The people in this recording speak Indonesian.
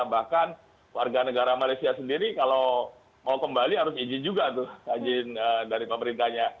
bahkan warga negara malaysia sendiri kalau mau kembali harus izin juga tuh izin dari pemerintahnya